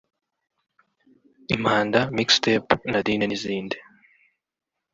Impanda Mixtape Nadine n’izindi